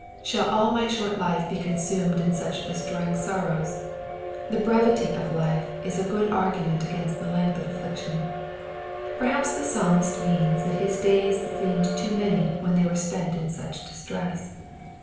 203 Shall all my short life be consumed in such destroying sorrows ? The brevity of life is a good argument against the length of an affliction. Per haps the Psalmist means that his days seemed too many ^hen they were spent in such distress.